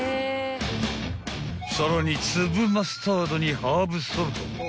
［さらに粒マスタードにハーブソルト］